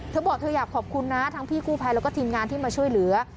เธอบอกเธออยากขอบคุณนะทั้งพี่กู้ภัยแล้วก็ทีมงานที่มาช่วยเหลือ